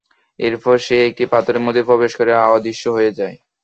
এরপর সে একটি পাথরের মধ্যে প্রবেশ করে অদৃশ্য হয়ে যায়।